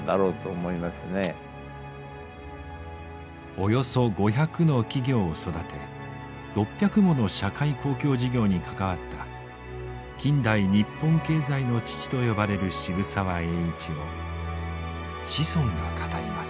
およそ５００の企業を育て６００もの社会公共事業に関わった近代日本経済の父と呼ばれる渋沢栄一を子孫が語ります。